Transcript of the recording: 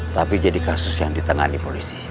tapi jadi kasus yang ditangani polisi